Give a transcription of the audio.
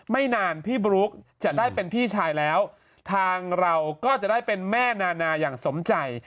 ไม่นานพี่บลุ๊กจะได้เป็นพี่ชายแล้วทางเราก็จะได้เป็นแม่นานาอย่างสมใจ